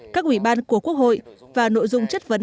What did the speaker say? các ủy ban của quốc hội và nội dung chất vấn